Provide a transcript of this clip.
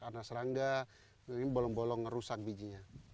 karena serangga ini bolong bolong rusak bijinya